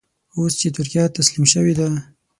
اوس چې ترکیه تسليم شوې ده.